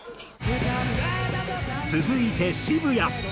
続いて渋谷。